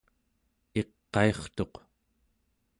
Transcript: iqairtuq